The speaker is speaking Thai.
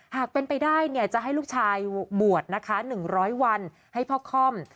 หากเป็นไปได้เนี่ยจะให้ลูกชายบวชนะคะ๑๐๐วันให้พ่อค่อม